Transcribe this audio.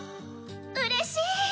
「うれしい！」。